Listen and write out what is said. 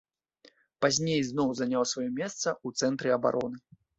Пазней зноў заняў сваё месца ў цэнтры абароны.